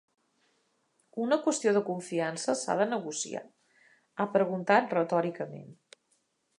Una qüestió de confiança s’ha de negociar?, ha preguntat retòricament.